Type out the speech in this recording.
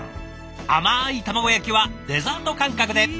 甘い卵焼きはデザート感覚で。